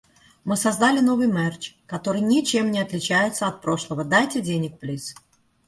Мы создали новый мерч, который ничем не отличается от прошлого. Дайте денег, плиз!